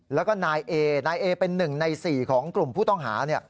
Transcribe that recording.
แล้วก็นายเอนายเอเป็น๑ใน๔ของกลุ่มผู้ต้องหา